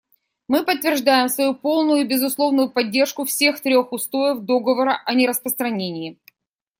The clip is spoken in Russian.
Мы подтверждаем свою полную и безусловную поддержку всех трех устоев Договора о нераспространении.